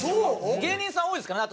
芸人さん多いですからね。